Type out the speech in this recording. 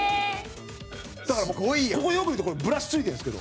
だから、ここ、よく見るとブラシ付いてるんですけど。